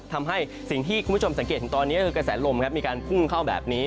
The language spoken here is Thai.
ทำให้สิ่งที่คุณผู้ชมสังเกตถึงตอนนี้ก็คือกระแสลมครับมีการพุ่งเข้าแบบนี้